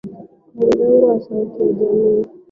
Kiongozi wangu ni sauti ya jamii.